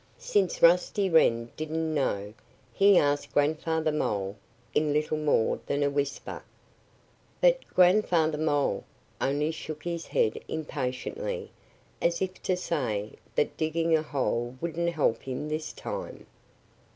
Since Rusty Wren didn't know, he asked Grandfather Mole in little more than a whisper. But Grandfather Mole only shook his head impatiently, as if to say that digging a hole wouldn't help him this time.